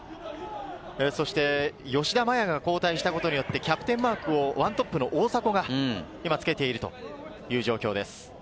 吉田麻也が交代したことによってキャプテンマークを１トップの大迫が今つけているという状況です。